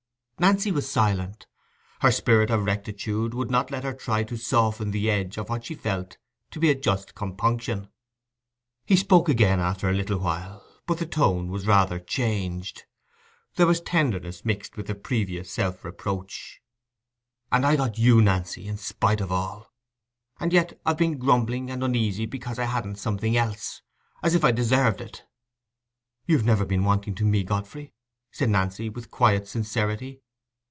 Nancy was silent: her spirit of rectitude would not let her try to soften the edge of what she felt to be a just compunction. He spoke again after a little while, but the tone was rather changed: there was tenderness mingled with the previous self reproach. "And I got you, Nancy, in spite of all; and yet I've been grumbling and uneasy because I hadn't something else—as if I deserved it." "You've never been wanting to me, Godfrey," said Nancy, with quiet sincerity.